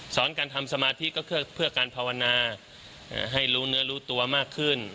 การทำสมาธิก็เพื่อการภาวนาให้รู้เนื้อรู้ตัวมากขึ้น